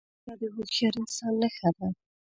منډه د هوښیار انسان نښه ده